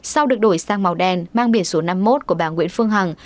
sau được đổi sang màu đen mang biển số năm mươi một của bà nguyễn phương hằng